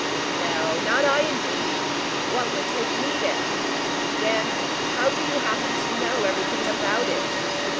"No. Not I, indeed! What would take me there?" "Then how do you happen to know everything about it?"